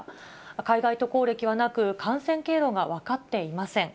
海外渡航歴はなく、感染経路が分かっていません。